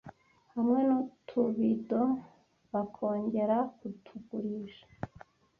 hamwe nutubido bakongera kutugurisha